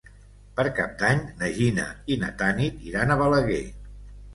Per Cap d'Any na Gina i na Tanit iran a Balaguer.